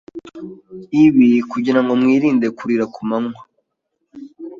Ibi kugirango wirinde kurira kumanywa